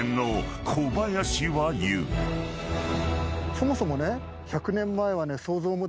そもそもね。